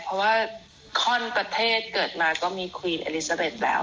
เพราะว่าข้อนประเทศเกิดมาก็มีควีนอลิซาเร็จแล้ว